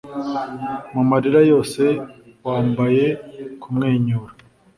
mu marira yose, wambaye kumwenyura